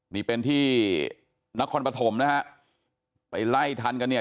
นี่เป็นที่นครปฐมนะฮะไปไล่ทันกันเนี่ย